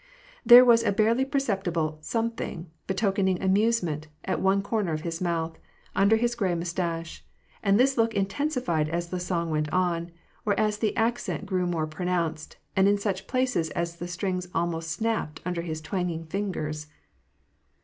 There was a barely perceptible some thinly betokening amusement, at one corner of his mouth, under his gray mustache; and this look intensified as the song went on, or as the accent grew more pronounced, and in such places as the strings almost snapped under his twang ing fingers.